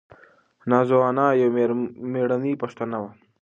نازو انا یوه مېړنۍ پښتنه وه.